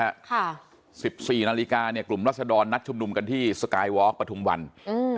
ค่ะสิบสี่นาฬิกาเนี่ยกลุ่มรัศดรนัดชุมนุมกันที่สกายวอล์ปฐุมวันอืม